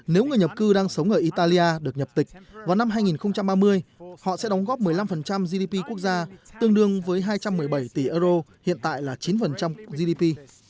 nếu người nhập cư đang sống ở italia được nhập tịch vào năm hai nghìn ba mươi họ sẽ đóng góp một mươi năm gdp quốc gia tương đương với hai trăm một mươi bảy tỷ euro hiện tại là chín gdp